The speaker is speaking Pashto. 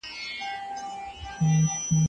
سره صلیب رواني ستونزې یادوي.